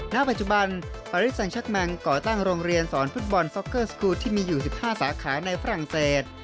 ณปัจจุบันปาริสแซงชักแมงก่อตั้งโรงเรียนสอนฟุตบอลซ็อกเกอร์สกูลที่มีอยู่๑๕สาขาในฝรั่งเศส